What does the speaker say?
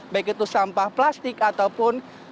baik itu sampah plastik ataupun